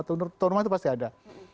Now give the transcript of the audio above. tuan rumah itu pasti ada